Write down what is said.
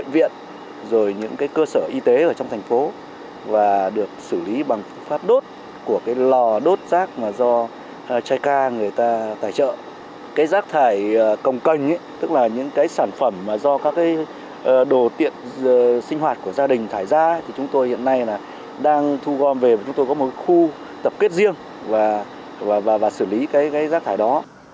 chúng tôi hiện nay đang thu gom về và chúng tôi có một khu tập kết riêng và xử lý rác thải đó